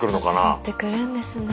集まってくるんですね